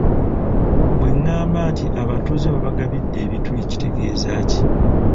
Bweŋŋamba nti abatuuze baabagabidde ebituli kitegeza ki?